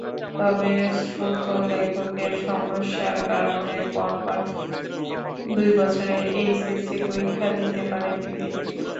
তবে শ্রুতলেখকের সমস্যার কারণে পরপর দুই বছর এইচএসসি পরীক্ষা দিতে পারেননি তিনি।